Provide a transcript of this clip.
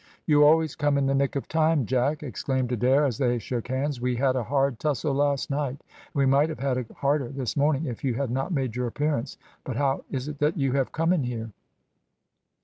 "You always come in the nick of time, Jack," exclaimed Adair, as they shook hands; "we had a hard tussle last night, and we might have had a harder this morning if you had not made your appearance, but how is it that you have come in here?"